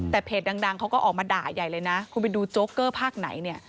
แต่เพจดังเขาก็ออกมาด่าใหญ่เลยนะคุณไปดูโจ๊กเกอร์ภาคไหนเนี่ย